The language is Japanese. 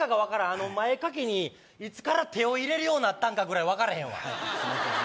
あの前掛けにいつから手を入れるようになったんかぐらい分からへんわすいません